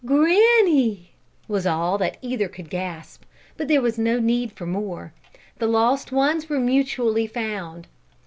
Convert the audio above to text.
"Granny!" was all that either could gasp, but there was no need for more the lost ones were mutually found!